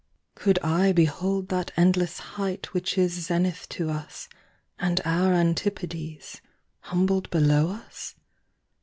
Could I behold that endlesse height which isZenith to us, and our Antipodes, Humbled below us?